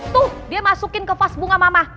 tuh dia masukin kevas bunga mama